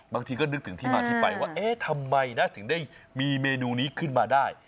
บางทีก็นึกถึงที่มาที่ไปว่าเอ๊ะทำไมนะถึงได้มีเมนูนี้ขึ้นมาได้